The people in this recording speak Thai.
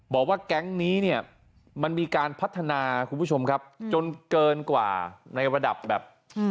บอกว่าแก๊งก์นี้มันมีการพัฒนาจนเกินกว่าในระดับแบบ